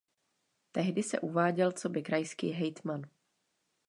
Tehdy se uváděl coby krajský hejtman.